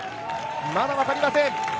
まだ分かりません。